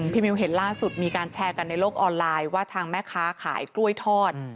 มิวเห็นล่าสุดมีการแชร์กันในโลกออนไลน์ว่าทางแม่ค้าขายกล้วยทอด